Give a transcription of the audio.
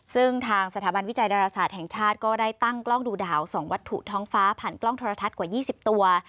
ซึ่งทางสถาบันวิจัยดาราศาสตร์แห่งชาติก็ได้ตั้งกล้องดูดาว๒วัตถุท้องฟ้าผ่านกล้องโทรทัศน์กว่า๒๐ตัว